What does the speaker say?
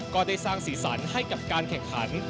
ก็ได้สร้างสีสันให้กับการแข่งขัน